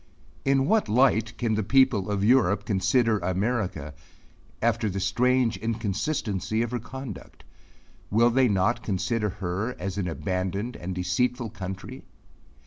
In what light can the people of Europe consider America after the strange inconsistency of her conduct? Will they not consider her as an abandoned and deceitful country?